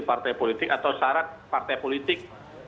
partai politik atau syarat partai politik